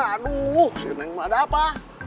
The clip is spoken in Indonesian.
aduh sih neng mah ada apa